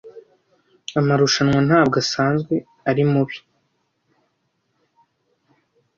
Amarushanwa ntabwo asanzwe ari mubi.